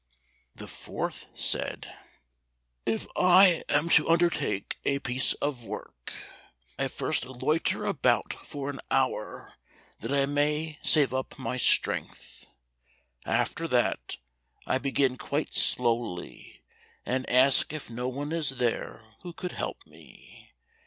The fourth said, "If I am to undertake a piece of work, I first loiter about for an hour that I may save up my strength. After that I begin quite slowly, and ask if no one is there who could help me.